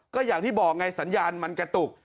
ก็อย่างที่บอกไงสัญญาณมันกระตุก